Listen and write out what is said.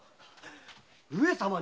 上様に？